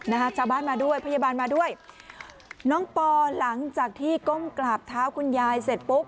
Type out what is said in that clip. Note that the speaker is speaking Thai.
นะฮะชาวบ้านมาด้วยพยาบาลมาด้วยน้องปอหลังจากที่ก้มกราบเท้าคุณยายเสร็จปุ๊บ